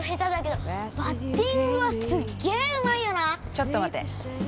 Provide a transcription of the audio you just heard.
ちょっと待て。